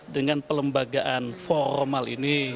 dengan pelembagaan formal ini